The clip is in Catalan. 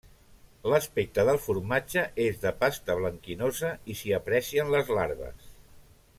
L'aspecte del formatge és de pasta blanquinosa i s'hi aprecien les larves.